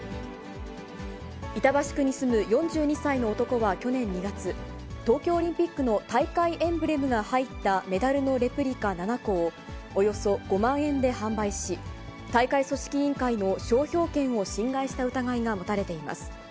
板橋区に住む４２歳の男は去年２月、東京オリンピックの大会エンブレムが入ったメダルのレプリカ７個を、およそ５万円で販売し、大会組織委員会の商標権を侵害した疑いが持たれています。